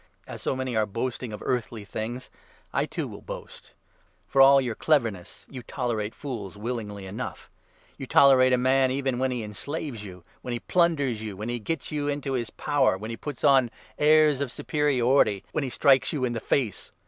As so many are boasting of earthly things, I, 18 too, will boast. For all your cleverness, you tolerate fools 19 willingly enough ! You tolerate a man even when he en 20 slaves you, when he plunders you, when he gets you into his power, when he puts on airs of superiority, when he strikes you in the face